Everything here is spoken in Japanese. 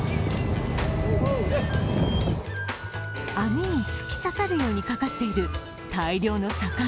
網に突き刺さるようにかかっている大漁の魚。